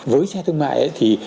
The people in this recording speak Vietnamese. với xe thương mại thì